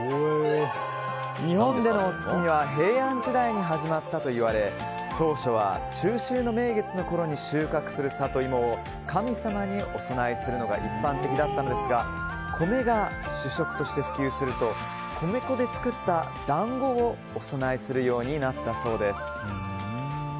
日本でのお月見は平安時代に始まったといわれ当初は、中秋の名月のころに収穫するサトイモを神様にお供えするのが一般的だったのですが米が主食として普及すると米粉で作った団子をお供えするようになったそうです。